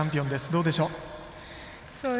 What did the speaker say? どうでしょう？